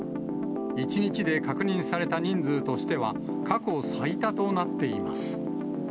１日で確認された人数としては過去最多となっています。